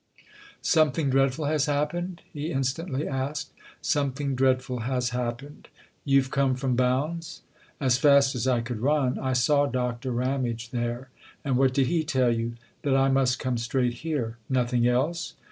" Something dreadful has happened ?" he instantly asked. " Something dreadful has happened. You've come from Bounds ?"" As fast as I could run. I saw Doctor Ramage there." " And what did he tell you ?"" That I must come straight here." " Nothing else